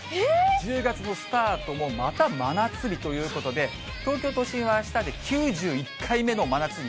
１０月のスタートも、また真夏日ということで、東京都心はあしたで９１回目の真夏日。